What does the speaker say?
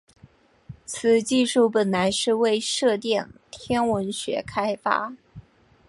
此技术本来是为射电天文学开发。